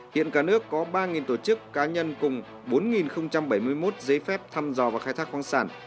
hiện cả nước có ba tổ chức cá nhân cùng bốn bảy mươi một giấy phép thăm dò và khai thác khoáng sản